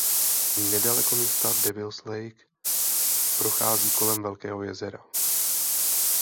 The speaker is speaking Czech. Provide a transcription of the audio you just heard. Nedaleko města Devils Lake prochází kolem velkého jezera.